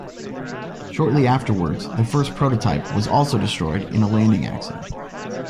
Shortly afterwards, the first prototype was also destroyed in a landing accident.